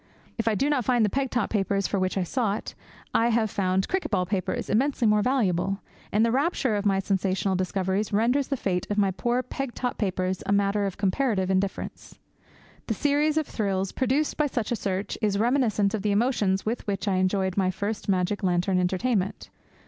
If I do not find the peg top papers for which I sought, I have found cricket ball papers immensely more valuable, and the rapture of my sensational discoveries renders the fate of my poor peg top papers a matter of comparative indifference. The series of thrills produced by such a search is reminiscent of the emotions with which I enjoyed my first magic lantern entertainment.